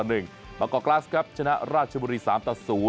บังเกาะกราศครับชนะราชบุรี๓ตัว๐